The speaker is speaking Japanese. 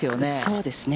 そうですね。